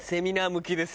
向きです。